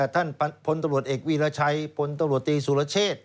ท่านพนตรวจเอกวีรชัยพนตรวจตีศูรเชษ